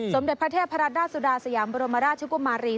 สมเด็จพระเทศพระระดาษฎาสยามปรมาฤาชกุวามารี